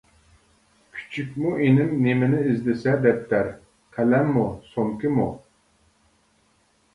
كۈچۈكمۇ ئىنىم نېمىنى ئىزدىسە دەپتەر، قەلەممۇ، سومكىمۇ.